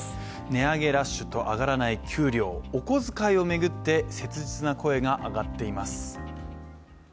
値上げラッシュと上がらない給料お小遣いを巡って、切実な声が上がっています。